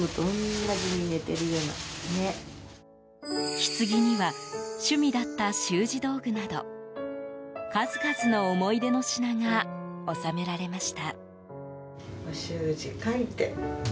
ひつぎには趣味だった習字道具など数々の思い出の品が納められました。